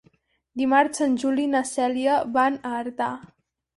Dimarts en Juli i na Cèlia van a Artà.